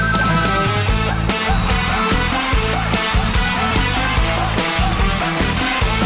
สนุกโดยช่วยกว่านาย